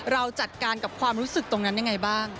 เราจัดการกับความรู้สึกตรงนั้นยังไงบ้าง